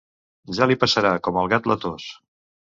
Ja li passarà, com al gat la tos.